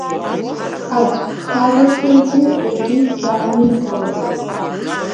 Аӡә дхагахаргьы, егьи дааникылароуп.